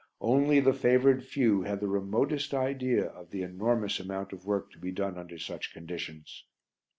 Only the favoured few have the remotest idea of the enormous amount of work to be done under such conditions.